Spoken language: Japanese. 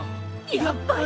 やっぱり。